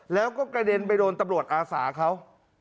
แล้วก็กระเด็นไปโดนตำรวจอาสาเขา